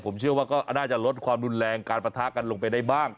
ผมเชื่อว่าก็น่าจะลดความรุนแรงการปะทะกันลงไปได้บ้าง